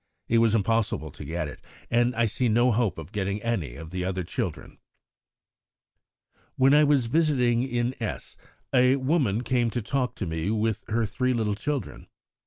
It was impossible to get it, and I see no hope of getting any of the other children." "When I was visiting in S. a woman came to talk to me with her three little children.